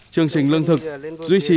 chương trình lương thực duy trì